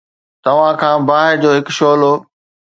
توهان کان باهه جو هڪ شعلہ